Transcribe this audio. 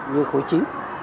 như khối trí